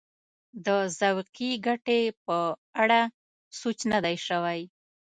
د ذوقي ګټې په اړه سوچ نه دی شوی.